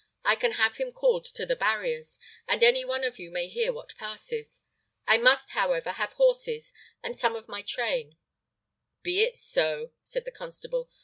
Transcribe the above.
I can have him called to the barriers, and any one of you may hear what passes. I must, however, have horses and some of my train." "Be it so," said the constable.